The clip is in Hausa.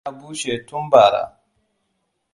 Gulbin ya bushe tun bara.